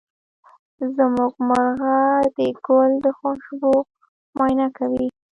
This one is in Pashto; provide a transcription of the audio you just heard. زمونږ مرغه د ګل د خوشبو معاینه کوي.